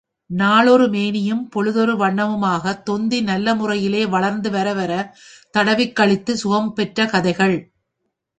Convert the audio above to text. நாளொரு மேனியும் பொழுதொரு வண்ணமுமாகத் தொந்தி நல்லமுறையிலே வளர்ந்து வர வர தடவிக் களித்து சுகம் பெற்ற கதைகள்.